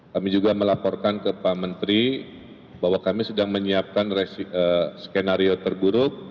kami juga melaporkan ke pak menteri bahwa kami sedang menyiapkan skenario terburuk